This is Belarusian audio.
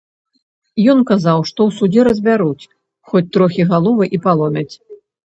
Ён казаў, што ў судзе разбяруць, хоць трохі галовы і паломяць.